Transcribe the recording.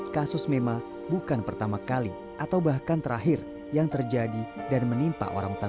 kasus mema bukan pertama kali atau bahkan terakhir yang terjadi dan menimpa orangutan